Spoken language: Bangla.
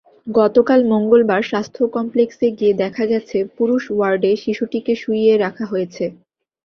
গতকাল মঙ্গলবার স্বাস্থ্য কমপ্লেক্সে গিয়ে দেখা গেছে, পুরুষ ওয়ার্ডে শিশুটিকে শুইয়ে রাখা হয়েছে।